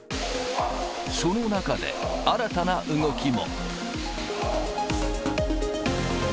その中で新たな動きも。